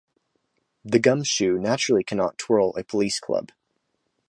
The gumshoe naturally cannot twirl a police club.